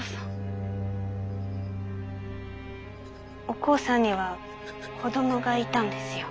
お光さんには子どもがいたんですよ。